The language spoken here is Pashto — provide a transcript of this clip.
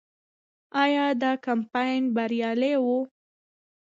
آیا دا کمپاین بریالی و؟